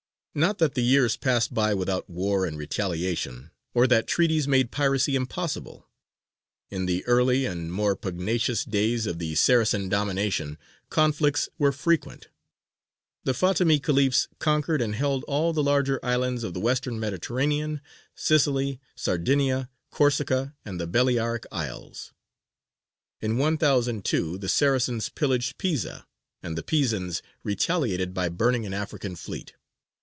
Not that the years passed by without war and retaliation, or that treaties made piracy impossible. In the early and more pugnacious days of the Saracen domination conflicts were frequent. The Fātimī Khalifs conquered and held all the larger islands of the Western Mediterranean, Sicily, Sardinia, Corsica, and the Balearic Isles. In 1002 the Saracens pillaged Pisa, and the Pisans retaliated by burning an African fleet.